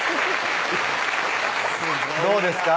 どうですか？